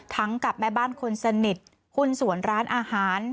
กับแม่บ้านคนสนิทหุ้นส่วนร้านอาหาร